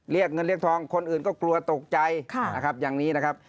เรียกเงินเรียกทองคนอื่นก็กลัวตกใจนะครับอย่างนี้นะครับ